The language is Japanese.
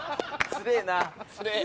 つれぇな。